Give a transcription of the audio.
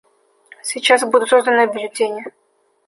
Сейчас будут розданы бюллетени.